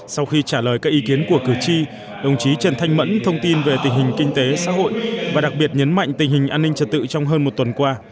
sau khi trả lời các ý kiến của cử tri đồng chí trần thanh mẫn thông tin về tình hình kinh tế xã hội và đặc biệt nhấn mạnh tình hình an ninh trật tự trong hơn một tuần qua